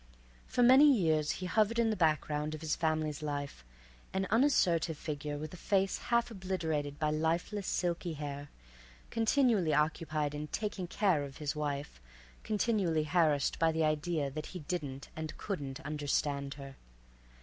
For many years he hovered in the background of his family's life, an unassertive figure with a face half obliterated by lifeless, silky hair, continually occupied in "taking care" of his wife, continually harassed by the idea that he didn't and couldn't understand her.